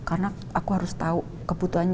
karena aku harus tahu kebutuhannya